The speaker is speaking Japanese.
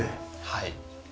はい。